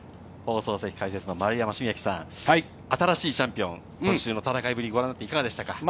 解説の丸山茂樹さん、新しいチャンピオン、今週の戦いぶり、いかがでしたか？